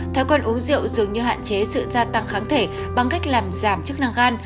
thói quen uống rượu dường như hạn chế sự gia tăng kháng thể bằng cách làm giảm chức năng gan